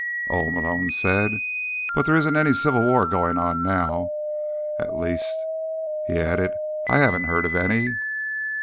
"Oh," Malone said. "But there isn't any Civil War going on now. At least," he added, "I haven't heard of any."